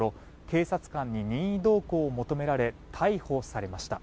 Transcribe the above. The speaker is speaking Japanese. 警察官に任意同行を求められ、逮捕されました。